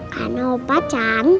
karena opah can